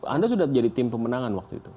anda sudah jadi tim pemenangan waktu itu